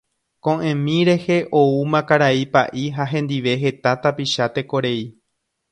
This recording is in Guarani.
Ko'ẽmi rehe oúma karai Pa'i ha hendive heta tapicha tekorei.